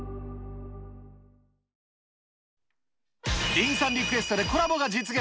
リンさんリクエストでコラボが実現。